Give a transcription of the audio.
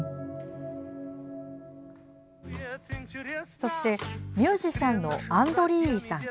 そして、ミュージシャンのアンドリーイさん。